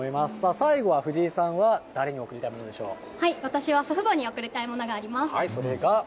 最後は、藤井さんは誰に贈りたい私は祖父母に贈りたいものがそれが。